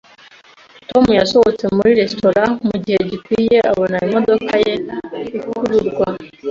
Tom yasohotse muri resitora mugihe gikwiye abona imodoka ye ikururwa